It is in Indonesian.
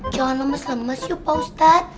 jangan lemes lemes yuk pak ustadz